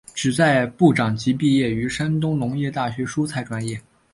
旨在部长级毕业于山东农业大学蔬菜专业。